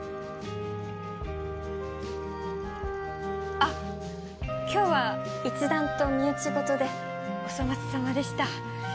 あっ今日は一段と身内事でお粗末さまでした。